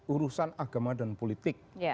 urusan agama dan politik